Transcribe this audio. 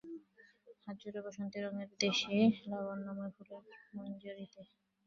হাত জোড়া বাসন্তী রঙের দেশী ল্যাবার্নম ফুলের মঞ্জরীতে।